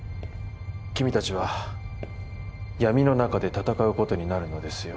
君たちは闇の中で戦うことになるのですよ。